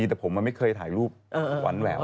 แต่ผมมันไม่เคยถ่ายรูปหวานแหวว